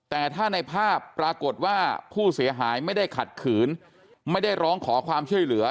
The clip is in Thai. แต่ถ้าในภาพปรากฏว่าผู้เสียหายไม่ได้ขัดขืนไม่ได้ร้องขอความช่วยเหลือ